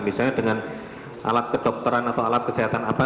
misalnya dengan alat kedokteran atau alat kesehatan apa